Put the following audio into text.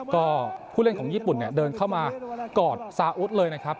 ก็ผู้เล่นของญี่ปุ่นเนี่ยเดินเข้ามากอดซาอุดเลยนะครับ